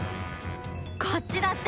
こっちだって！